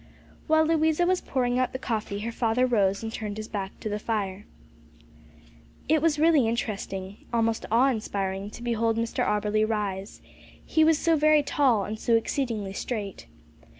While Louisa was pouring out the coffee, her father rose and turned his back to the fire. It was really interesting, almost awe inspiring, to behold Mr Auberly rise; he was so very tall, and so exceedingly straight.